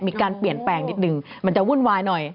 มีการเปลี่ยนแปลงนิดนึงมันจะวุ่นวายหน่อย